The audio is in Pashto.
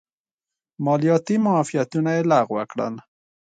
مالیاتي معافیتونه یې لغوه کړل.